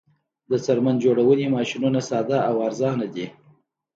د څرمن جوړونې ماشینونه ساده او ارزانه دي